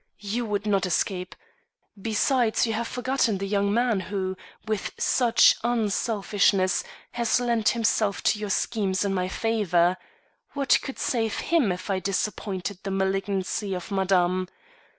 you would not escape. Besides, you have forgotten the young man who, with such unselfishness, has lent himself to your schemes in my favor. What could save him if I disappointed the malignancy of Madame.